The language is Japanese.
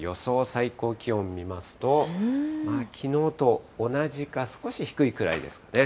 最高気温見ますと、きのうと同じか少し低いくらいですかね。